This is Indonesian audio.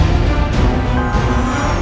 apa kita jalan pak